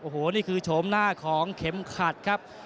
โอ้โหนี่คือโฉมหน้าของเข็มขัดครับ